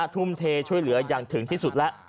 ทุ่มเทช่วยเหลืออย่างถึงที่สุดแล้ว